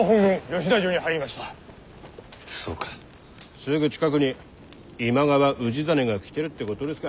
すぐ近くに今川氏真が来てるってことですか。